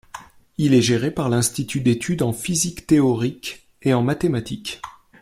Il est géré par l'Institut d'étude en physique théorique et en mathématiques.